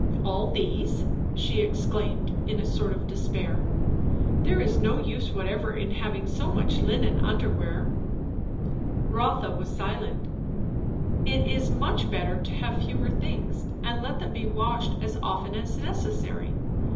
"All these!" she exclaimed in a sort of despair. "There is no use whatever in having so much linen under wear." Rotha was silent. "It is much better to have fewer things, and let them be washed as often as necessary.